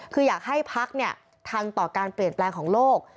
คืออยากให้พักทันต่อการเปลี่ยนแปลงของโลก